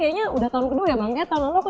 iya bang kayak tahun lalu aku juga pernah denger